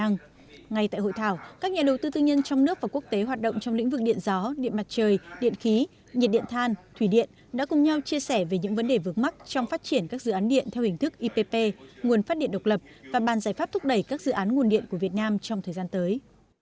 ngay tại hội thảo các nhà đầu tư tư nhân trong nước và quốc tế hoạt động trong lĩnh vực điện gió điện mặt trời điện khí nhiệt điện than thủy điện đã cùng nhau chia sẻ về những vấn đề vướng mắt trong phát triển các dự án điện theo hình thức ipp nguồn phát điện độc lập và bàn giải pháp thúc đẩy các dự án nguồn điện của việt nam trong thời gian tới